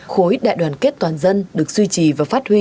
khối đại đoàn kết toàn dân được duy trì và phát huy